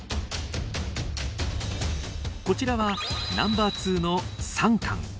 こちらはナンバー２のサンカン。